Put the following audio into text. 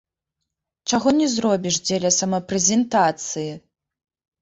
Чаго не зробіш дзеля самапрэзентацыі!